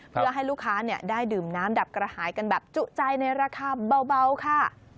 เพื่อให้ลูกค้าได้ดื่มน้ำดับกระหายกันแบบจุใจในราคาเบาค่ะ